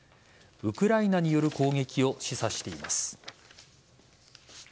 ウクライナによる攻撃を示唆しています。